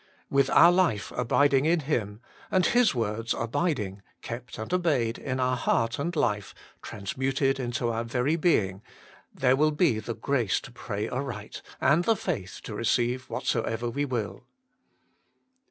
With our life abiding in Him, and His words abiding, kept and obeyed, in our heart and life, transmuted into our very being, there will be the grace to pray aright, and the faitli to receive the whatsoever we will.